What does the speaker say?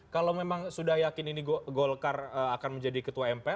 kalau memang sudah yakin ini golkar akan menjadi ketua mpr